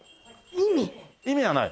意味はない？